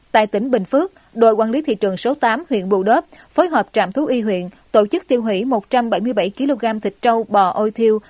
tại tỉnh bình phước đội quản lý thị trường số tám huyện bù đớp phối hợp trạm thuốc y huyện tổ chức tiêu hủy một trăm bảy mươi bảy kg thịt trâu bò ôi thiêu